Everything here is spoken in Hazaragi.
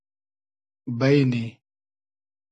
بݷنی